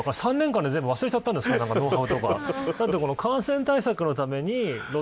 ３年間で全部忘れちゃったんですかねノウハウとか感染対策のために。